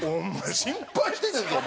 心配してたんやぞお前」。